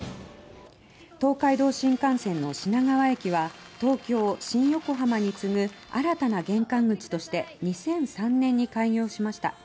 東海道新幹線の品川駅は東京、新横浜に次ぐ新たな玄関口として２００３年に開業しました。